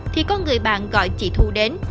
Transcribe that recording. khi đang uống bia ăn nhậu